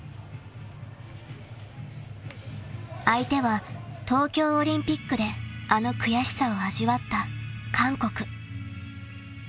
［相手は東京オリンピックであの悔しさを味わった韓国］